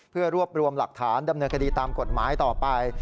เพื่อรวบรวมหลักฐานดำเนินคดีตามกฎหมายต่อไป